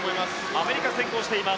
アメリカ先行しています。